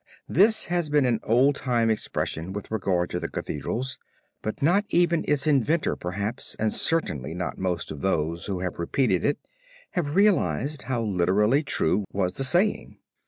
This has been an old time expression with regard to the Cathedrals, but not even its inventor perhaps, and certainly not most of those who have repeated it have realized how literally true was the saying.